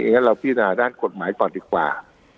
อีกละเร้าพิน่าด้านกฎหมายก่อนดีกว่า